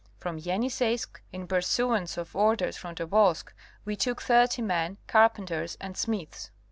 From Yeniseisk in pursuance of orders from Tobolsk we took thirty men, carpenters and smiths.